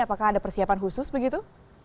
apakah ada persiapan khusus begitu